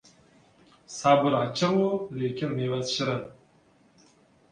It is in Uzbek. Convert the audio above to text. Sabr achchig‘u, lekin mevasi shirin.